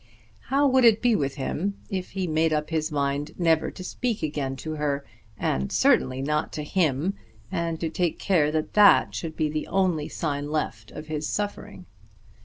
How would it be with him if he made up his mind never to speak again to her, and certainly not to him, and to take care that that should be the only sign left of his suffering?